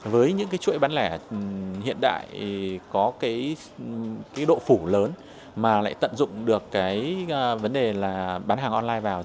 với những chuỗi bán lẻ hiện đại có độ phủ lớn mà lại tận dụng được vấn đề bán hàng online vào